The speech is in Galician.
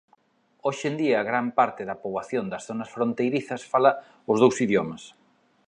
Hoxe en día gran parte da poboación das zonas fronteirizas fala os dous idiomas.